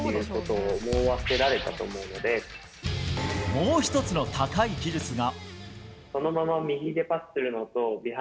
もう１つの高い技術が。